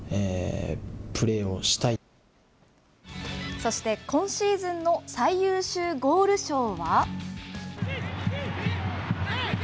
そして、今シーズンの最優秀ゴール賞は。